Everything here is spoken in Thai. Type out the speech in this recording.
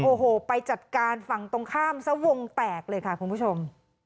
โอ้โหไปจัดการฝั่งตรงข้ามซะวงแตกเลยค่ะคุณผู้ชม